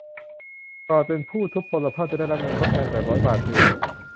ก่อนเป็นผู้ทุพพลภาพ จะได้รับเงินทดแทน แปดร้อย บาทเดือน